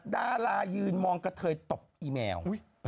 ดารายืนมองกระเทยตบอีแมว